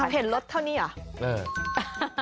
เห็นรถเท่านี้เหรอ